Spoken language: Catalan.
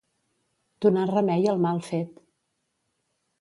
Donar remei al mal fet.